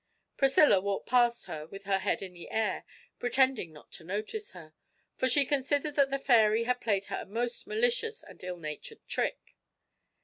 Priscilla walked past with her head in the air, pretending not to notice her, for she considered that the fairy had played her a most malicious and ill natured trick.